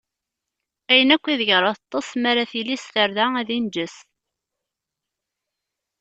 Ayen akk ideg ara teṭṭeṣ mi ara tili s tarda, ad inǧes.